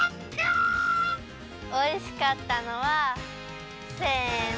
おいしかったのはせの！